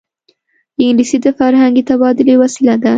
انګلیسي د فرهنګي تبادلې وسیله ده